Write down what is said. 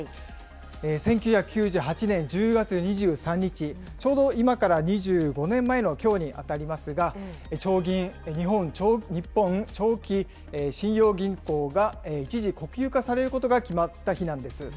１９９８年１０月２３日、ちょうど今から２５年前のきょうに当たりますが、長銀・日本長期信用銀行が一時国有化されることが決まった日なんです。